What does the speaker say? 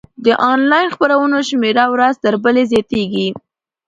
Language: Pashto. د انلاین خپرونو شمېره ورځ تر بلې زیاتیږي.